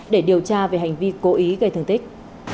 để điều tra về hành vi cố ý gây thương tích